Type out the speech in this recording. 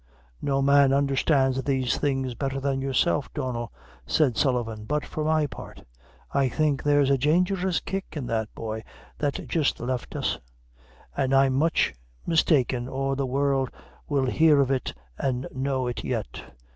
"No man understands these things better than yourself, Donnel," said Sullivan; "but, for my part, I think there's a dangerous kick in the boy that jist left us; and I'm much mistaken or the world will hear of it an' know it yet."